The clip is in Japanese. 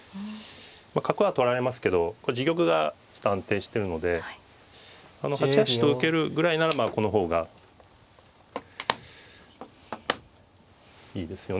角は取られますけど自玉が安定してるので８八歩と受けるぐらいならこの方がいいですよね。